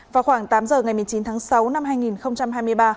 vào khoảng tám giờ ngày một mươi chín tháng sáu năm hai nghìn hai mươi ba